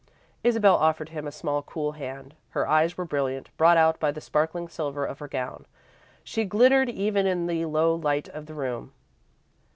Isabel offered him a small, cool hand. Her eyes were brilliant, brought out by the sparkling silver of her gown. She glittered even in the low light of the room.